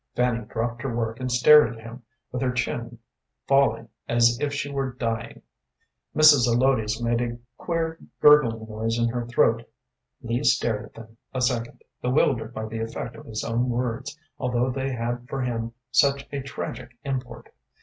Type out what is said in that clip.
Fanny dropped her work and stared at him, with her chin falling as if she were dying. Mrs. Zelotes made a queer gurgling noise in her throat. Lee stared at them a second, bewildered by the effect of his own words, although they had for him such a tragic import.